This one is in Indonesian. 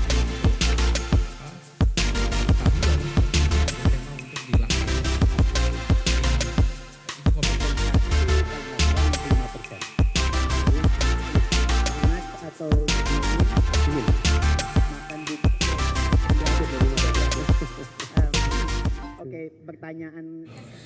nentang untung betowol